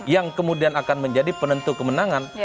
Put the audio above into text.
yang kemudian akan menjadi penentu kemenangan